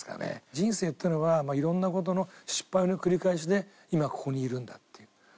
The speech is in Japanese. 人生っていうのは色んな事の失敗の繰り返しで今ここにいるんだっていう。